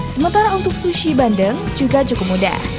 sementara untuk sushi bandeng juga cukup mudah